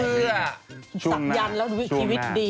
เจือชุ่มหน้าศักดิ์ยันต์แล้วชีวิตดี